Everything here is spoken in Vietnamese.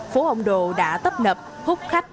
phố ông đồ đã tấp nập hút khách